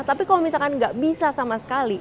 tapi kalau misalkan nggak bisa sama sekali